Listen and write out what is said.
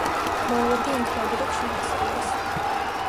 Բալլադի ինքնագիրը չի հասել մեզ։